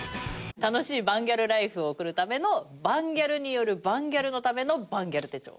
楽しいバンギャルライフを送るためのバンギャルによるバンギャルのためのバンギャル手帳。